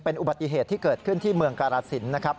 เป็นอุบัติเหตุที่เกิดขึ้นที่เมืองกราศิลป์นะครับ